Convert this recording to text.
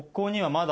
まだ。